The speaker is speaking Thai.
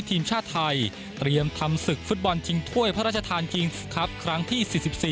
ถ้วยพระราชทานกิงส์คลับครั้งที่๔๔